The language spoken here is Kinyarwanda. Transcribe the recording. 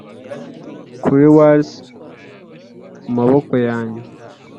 kuri wales mu maboko yanjye.